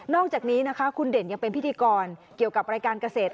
อกจากนี้นะคะคุณเด่นยังเป็นพิธีกรเกี่ยวกับรายการเกษตร